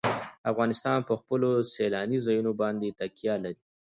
افغانستان په خپلو سیلاني ځایونو باندې تکیه لري.